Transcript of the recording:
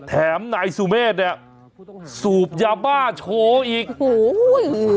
แถมนายสุเมฆเนี่ยสูบยาบ้าโชว์อีกโอ้โห